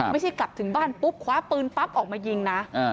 ไม่ใช่กลับถึงบ้านปุ๊บคว้าปืนปั๊บออกมายิงนะ